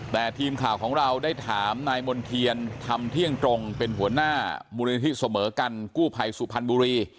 แต่ทีมข่าวของเราได้ถามนายมณ์เทียนธรรมเที่ยงตรงเป็นหัวหน้ามูลนิธิเสมอกันกู้ภัยสุพรรณบุรี